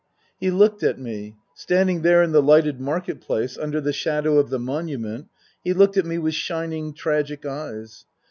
He looked at me. Standing there in the lighted Market place, under the shadow of the monument, he looked at me with shining, tragic eyes.